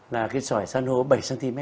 là cái sỏi san hô bảy cm